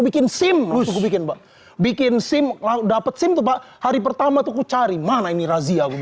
bikin sim bikin bikin bak bikin sim lalu dapet simpah hari pertama tuh kucari mana ini razia